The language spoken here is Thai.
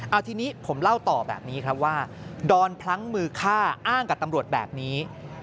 เอาทีนี้ผมเล่าต่อแบบนี้ครับว่าดอนพลั้งมือฆ่าอ้างกับตำรวจแบบนี้